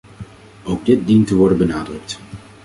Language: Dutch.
Ook dit dient te worden benadrukt.